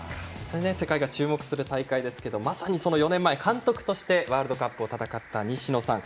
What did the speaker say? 世界が注目する大会ですけどまさに、４年前監督としてワールドカップを戦った西野さん。